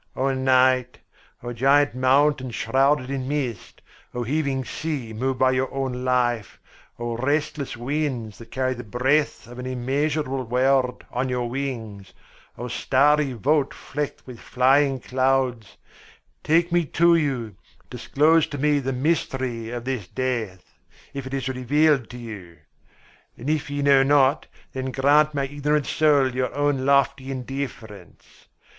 O night, O giant mountain shrouded in mist, O heaving sea moved by your own life, O restless winds that carry the breath of an immeasurable world on your wings, O starry vault flecked with flying clouds take me to you, disclose to me the mystery of this death, if it is revealed to you! And if ye know not, then grant my ignorant soul your own lofty indifference.